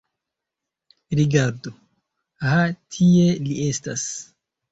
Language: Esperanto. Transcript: Rigardu: ha tie li estas.